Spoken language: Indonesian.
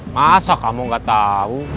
masa kamu gak tau